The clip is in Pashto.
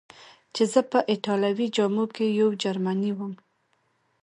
چې زه په ایټالوي جامو کې یو جرمنی ووم.